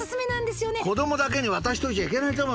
子供だけに渡しといちゃいけないと思う